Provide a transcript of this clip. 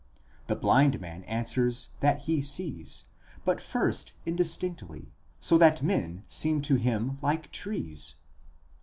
The blind man answers that he sees, but first indistinctly, so that men seem to him like trees.